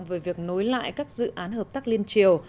về việc nối lại các dự án hợp tác liên triều